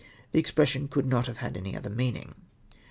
The ex pression could not have had any other meaning.